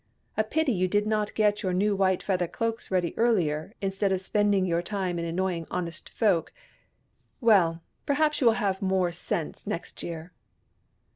" A pity you did not get your new white feather cloaks ready earlier, instead of spend ing your time in annoying honest folk. Well, perhaps you will have more sense next year."